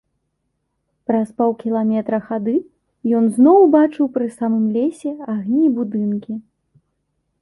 Праз паўкіламетра хады ён зноў убачыў пры самым лесе агні і будынкі.